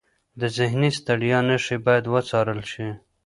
د ذهني ستړیا نښې باید وڅارل شي.